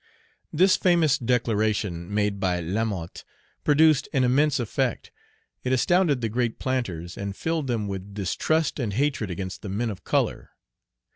This famous declaration made by Lamoth produced an immense effect; it astounded the great planters, and filled them with distrust and hatred against the men of color.